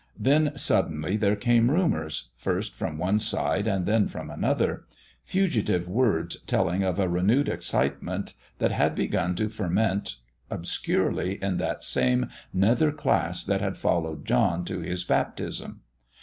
Then, suddenly, there came rumors, first from one side and then from another; fugitive words telling of a renewed excitement that had begun to ferment obscurely in that same nether class that had followed John to his baptism.